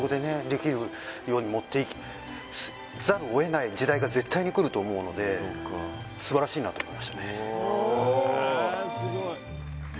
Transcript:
できるように持ってざるをえない時代が絶対に来ると思うので素晴らしいなと思いましたね